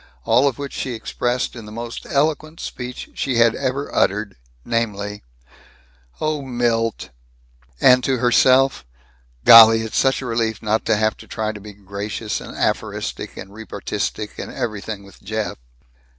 All of which she expressed in the most eloquent speech she had ever uttered, namely: "Oh, Milt !" And, to herself, "Golly, it's such a relief not to have to try to be gracious and aphoristic and repartistic and everything with Jeff."